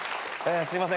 すいません